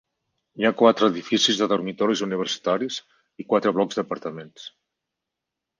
Hi ha quatre edificis de dormitoris universitaris i quatre blocs d'apartaments.